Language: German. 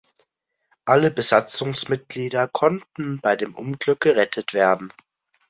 Alle Besatzungsmitglieder konnten bei dem Unglück gerettet werden.